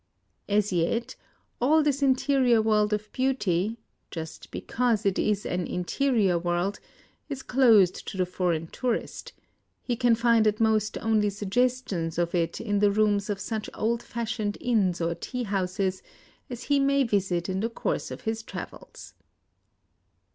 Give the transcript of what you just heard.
... As yet, all this interior world of beauty — just because it is an interior world — is closed to the foreign tourist : he can find at most only suggestions of it in the rooms of such old fashioned inns or tea houses as he may visit in the course of his travels.